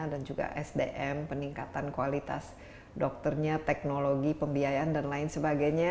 dan juga sdm peningkatan kualitas dokternya teknologi pembiayaan dan lain sebagainya